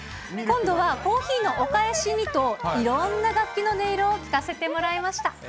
今度はコーヒーのお返しにと、いろんな楽器の音色を聴かせてもらいました。